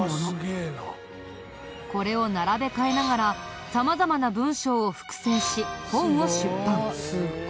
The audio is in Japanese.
これを並べ替えながら様々な文書を複製し本を出版。